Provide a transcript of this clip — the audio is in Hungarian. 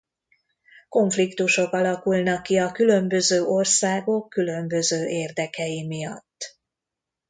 Konfliktusok alakulnak ki a különböző országok különböző érdekei miatt.